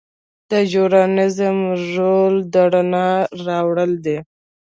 د ژورنالیزم رول د رڼا راوړل دي.